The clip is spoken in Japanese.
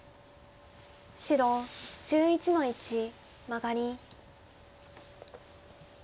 白１１の一マガリ。